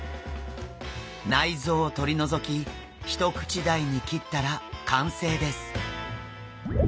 内臓を取り除き一口大に切ったら完成です。